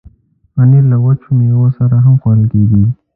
پنېر له وچو میوو سره هم خوړل کېږي.